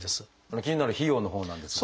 気になる費用のほうなんですが。